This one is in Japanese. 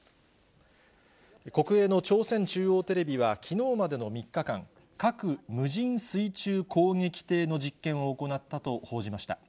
国営の朝鮮中央テレビはきのうまでの３日間、核無人水中攻撃艇の実験を行ったと報じました。